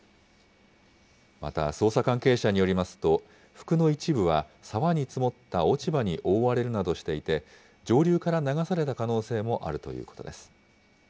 また捜査関係者によりますと、服の一部は、沢に積もった落ち葉に覆われるなどしていて、上流から流された可能性もあるということです。